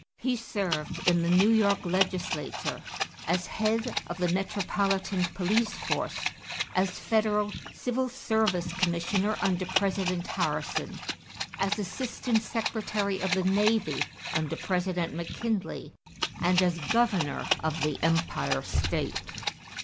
He served in the New York legislature, as head of the metropolitan police force, as federal civil service commissioner under President Harrison, as assistant secretary of the navy under President McKinley, and as governor of the Empire state.